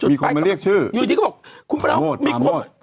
มีคนมาเรียกชื่อประโมทประโมทประโมทอยู่ที่เขาบอกคุณพระราชมีคน